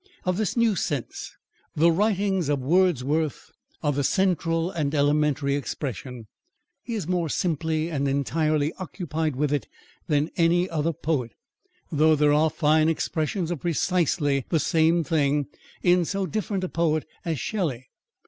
Of this new sense, the writings of Wordsworth are the central and elementary expression: he is more simply and entirely occupied with it than any other poet, though there are fine expressions of precisely the same thing in so different a poet as Shelley.